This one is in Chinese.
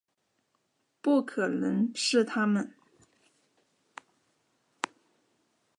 不可能是他们